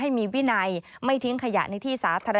ให้มีวินัยไม่ทิ้งขยะในที่สาธารณะ